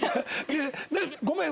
ごめん。